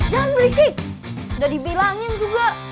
jangan berisik udah dibilangin juga